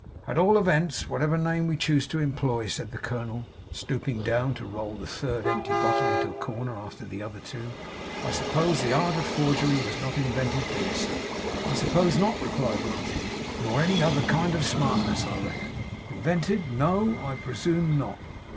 'At all events, whatever name we choose to employ,' said the colonel, stooping down to roll the third empty bottle into a corner after the other two, 'I suppose the art of forgery was not invented here sir?' 'I suppose not,' replied Martin. 'Nor any other kind of smartness I reckon?' 'Invented! No, I presume not.